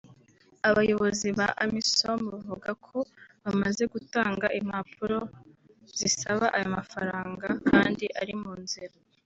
Abayobozi ba Amisom bavuga ko bamaze gutanga impapuro zisaba ayo mafaranga kandi ari mu nzira